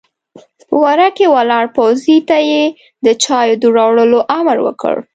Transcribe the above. په وره کې ولاړ پوځي ته يې د چايو د راوړلو امر وکړ!